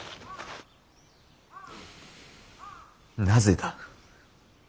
なぜだ。